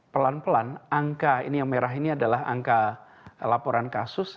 pelan pelan angka ini yang merah ini adalah angka laporan kasus